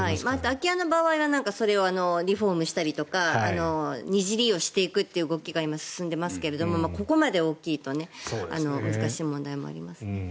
空き家の場合はそれをリフォームしたりとか二次利用するという動きが進んでいますがここまで大きいと難しい問題もありますね。